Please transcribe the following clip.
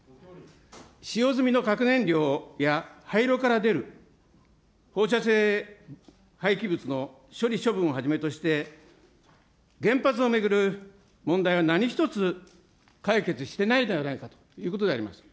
使用済みの核燃料や、廃炉から出る放射性廃棄物の処理、処分をはじめとして、原発を巡る問題は何一つ解決してないではないかということであります。